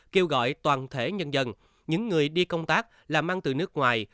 kêu gọi toàn thể nhân dân những người đi công tác làm ăn từ nước ngoài